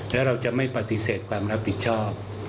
แล้วเราจะไม่ปฏิเสธความรับผิดชอบ